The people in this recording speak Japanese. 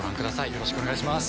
よろしくお願いします。